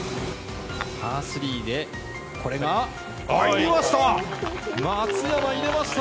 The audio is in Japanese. パー３でこれが入りました。